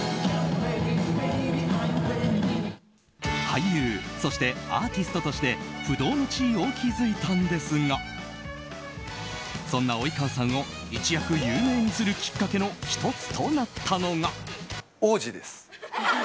俳優そしてアーティストとして不動の地位を築いたんですがそんな及川さんを一躍有名にするきっかけの１つとなったのが。